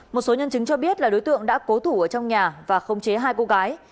một số nhân chứng cho biết là đối tượng đã cố thủ ở trong nhà và không chế hai cô gái